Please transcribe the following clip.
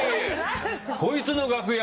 こいつの楽屋